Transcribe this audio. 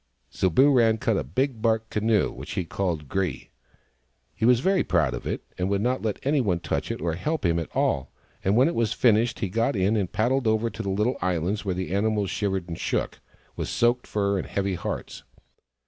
So Booran cut a big bark canoe, which he called Gre. He was very proud of it, and would not let anyone touch it or help him at all ; and when it was finished he got in and paddled over to the little islands where the animals shivered and shook, with soaked fur and heavy hearts.